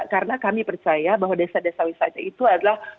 karena kami percaya bahwa desa desa wisata itu adalah